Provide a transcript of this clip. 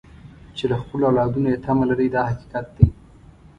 چې له خپلو اولادونو یې تمه لرئ دا حقیقت دی.